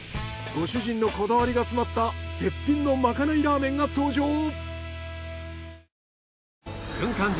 ご主人のこだわりが詰まった絶品のまかないラーメンが登場。